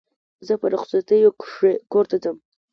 زه په رخصتیو کښي کور ته ځم.